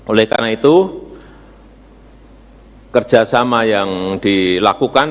oleh karena itu kerjasama yang dilakukan